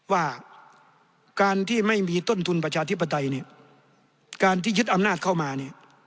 ว่าการที่ไม่มีต้นทุนประชาธิปไตยเนี่ยการที่ยึดอำนาจเข้ามาเนี่ย